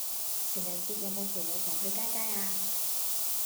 情人節有無陪老婆去街街呀